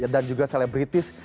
dan juga selebritis